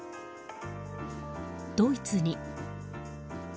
ドイツに。